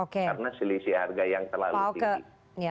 karena selisih harga yang terlalu tinggi